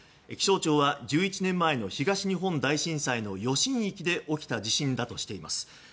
気象庁は１１年前の東日本大震災の余震域で起きた地震だとしています。